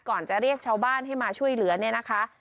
จะเรียกชาวบ้านให้มาช่วยเหลือเนี่ยนะคะ